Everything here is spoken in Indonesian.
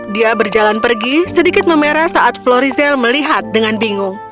dia berjalan pergi sedikit memerah saat florizel melihat dengan bingung